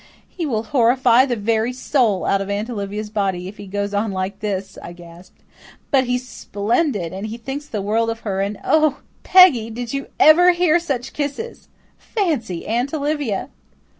"He will horrify the very soul out of Aunt Olivia's body if he goes on like this," I gasped. "But he's splendid and he thinks the world of her and, oh, Peggy, did you EVER hear such kisses? Fancy Aunt Olivia!"